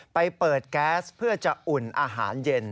ไปเปิดแก๊สเพื่อจะอุ่นอาหารเย็น